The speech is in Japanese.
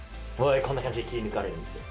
こんな感じで切り抜かれるんですよ。